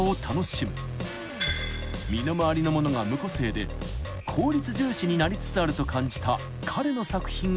［身の回りのものが無個性で効率重視になりつつあると感じた彼の作品がこちら］